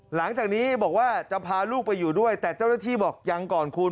หลังจากนี้บอกว่าจะพาลูกไปอยู่ด้วยแต่เจ้าหน้าที่บอกยังก่อนคุณ